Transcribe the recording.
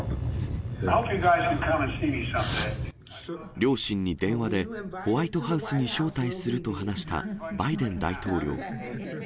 両親に電話で、ホワイトハウスに招待すると話したバイデン大統領。